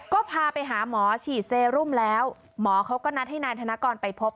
ก็พาไปหาหมอฉีดเซรุมแล้วหมอเขาก็นัดให้นายธนกรไปพบ